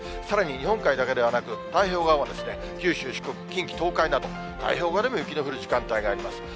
さらに日本海だけではなく、太平洋側は、九州、四国、近畿、東海など、太平洋側でも雪の降る時間帯があります。